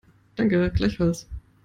Danke, gleichfalls.